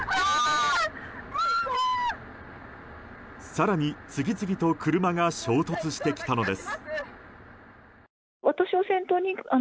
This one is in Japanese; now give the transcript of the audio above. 更に、次々と車が衝突してきたのです。